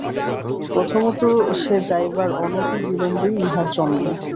প্রথমত, সে যাইবার অনতিবিলম্বেই ইহার জন্ম।